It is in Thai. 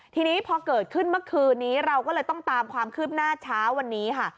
ทีนี้พอเกิดขึ้นเมื่อคืนนี้เราก็เลยต้องตามความคืบหน้าเช้าวันนี้ค่ะ